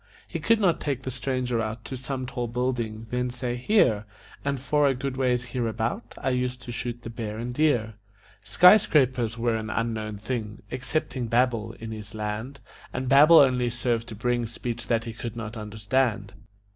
He could not take the stranger out To some tall building, then say: "Here, An' for a good ways hereabout, I used to shoot the bear and deer." Skyscrapers were an unknown thing, Excepting Babel, in his land, And Babel only served to bring Speech that he could not understand.